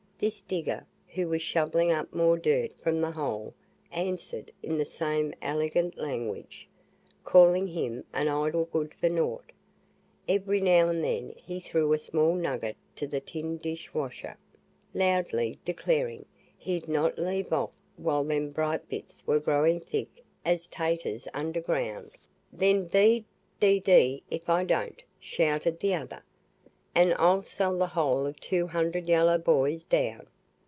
This digger, who was shovelling up more dirt from the hole, answered in the same elegant language, calling him an "idle good for nought." Every now and then he threw a small nugget to the tin dish washer, loudly declaring, "he'd not leave off while them bright bits were growing thick as taters underground." "Then be d d if I don't!" shouted the other; "and I'll sell the hole for two hundred yeller boys down."